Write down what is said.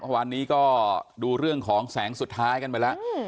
วันนี้ก็ดูเรื่องของแสงสุดท้ายกันไปแล้ว